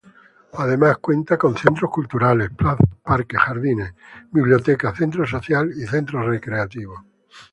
Además cuenta con centros culturales, plazas, parques, jardines, biblioteca, centro social y centros recreativos.